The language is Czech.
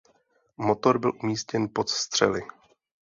Motor byl umístěn pod střely.